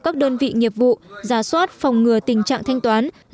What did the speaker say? các đơn vị nghiệp vụ giả soát phòng ngừa tình trạng thanh toán